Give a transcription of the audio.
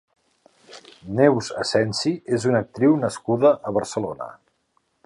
Neus Asensi és una actriu nascuda a Barcelona.